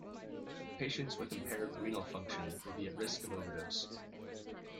Patients with impaired renal function will be at risk of overdose.